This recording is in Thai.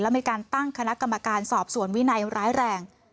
มีการตั้งคณะกรรมการสอบสวนวินัยร้ายแรง